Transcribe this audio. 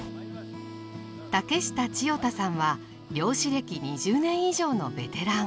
竹下千代太さんは漁師歴２０年以上のベテラン。